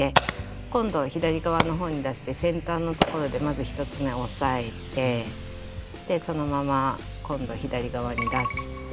今度は左側の方に出して先端のところでまず１つ目押さえてそのまま今度左側に出して。